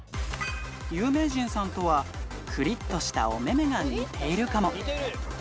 有名人さんとは、くりっとした夫めめが似ているかも。